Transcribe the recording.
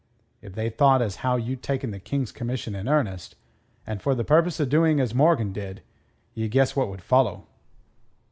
If they thought as how you'd taken the King's commission in earnest, and for the purpose o' doing as Morgan did, ye guess what would follow."